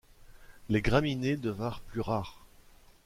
Les graminées devinrent plus rares.